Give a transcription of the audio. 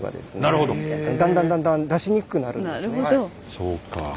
そうか。